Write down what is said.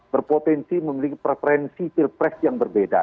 berpotensi memiliki preferensi pilpres yang berbeda